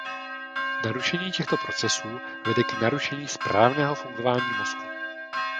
Narušení těchto procesů vede k narušení správného fungování mozku.